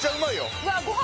ご飯